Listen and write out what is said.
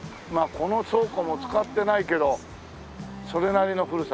この倉庫も使ってないけどそれなりの古さだね。